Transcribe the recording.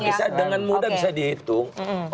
bisa dengan mudah bisa dihitung